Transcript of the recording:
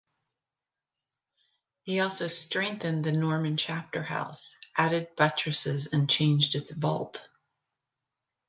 He also strengthened the Norman chapter house, added buttresses and changed its vault.